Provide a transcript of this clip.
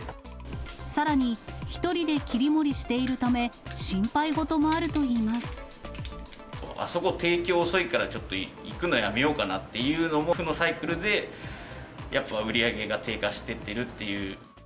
さらに、１人で切り盛りしているため、あそこ、提供遅いから、ちょっと行くのやめようかなっていうのも、負のサイクルで、やっぱ売り上げが低下してるっていう。